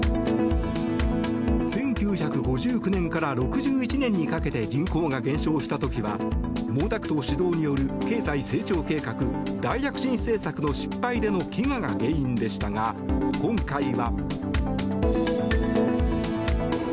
１９５９年から６１年にかけて人口が減少した時には毛沢東主導による経済成長計画大躍進政策の失敗による飢餓が原因でしたが、今回は。